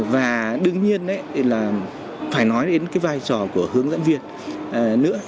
và đương nhiên là phải nói đến cái vai trò của hướng dẫn viên nữa